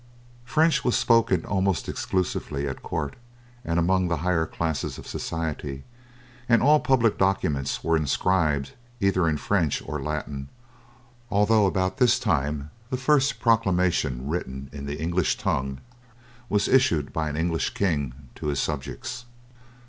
French was spoken almost exclusively at court and among the higher classes of society, and all public documents were inscribed either in French or Latin, although about this time the first proclamation written in the English tongue was issued by an English king to his subjects.